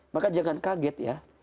maka jangan kaget ya